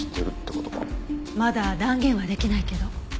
まだ断言はできないけど。